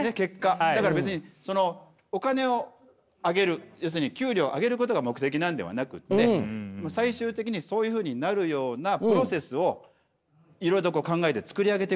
だから別にお金をあげる要するに給料を上げることが目的なんではなくて最終的にそういうふうになるようなプロセスをいろいろと考えて作り上げていくことができるんじゃないか。